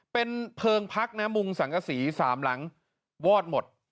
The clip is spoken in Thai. เป็นเพลิงพักนะมุงสังกษี๓หลังวอดหมด